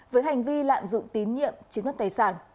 với hành vi lạm dụng tín nhiệm chiếm đất tài sản